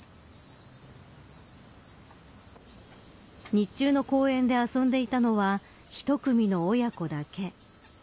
日中の公園で遊んでいたのは１組の親子だけ。